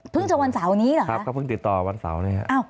เพิ่งจนวันเสาร์นี้หรือครับครับเขาเพิ่งติดต่อวันเสาร์นี้ครับ